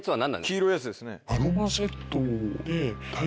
黄色いやつですね。